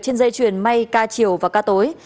trên dây chuyền may ca chiều và ca tối